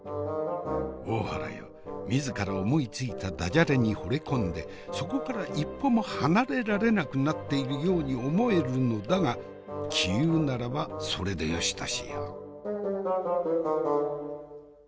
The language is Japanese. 大原よ自ら思いついたダジャレにほれ込んでそこから一歩も離れられなくなっているように思えるのだが杞憂ならばそれでよしとしよう。